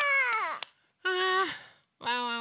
ああワンワン